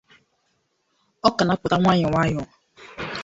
ọka na-apụta nwayọọ nwayọọ